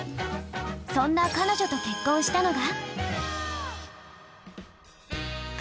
そんな彼女と結婚したのが？